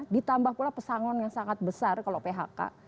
ditambah pula pesangon yang sangat besar kalau phk